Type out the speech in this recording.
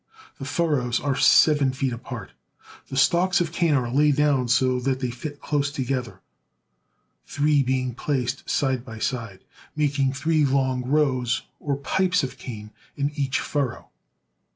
The furrows are seven feet apart. The stalks of cane are laid down so that they fit close together, three being placed side by side, making three long rows or pipes of cane in each furrow.